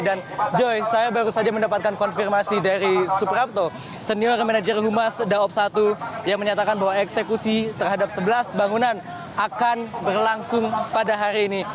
dan joy saya baru saja mendapatkan konfirmasi dari superabto senior manager humas daob satu yang menyatakan bahwa eksekusi terhadap sebelas bangunan akan berlangsung pada hari ini